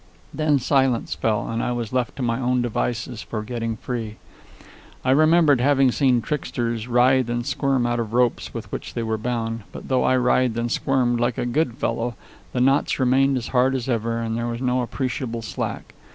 Then silence fell, and I was left to my own devices for getting free. I remembered having seen tricksters writhe and squirm out of ropes with which they were bound, but though I writhed and squirmed like a good fellow, the knots remained as hard as ever, and there was no appreciable slack.